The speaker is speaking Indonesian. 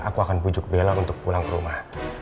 aku akan bujuk bella untuk pulang ke rumah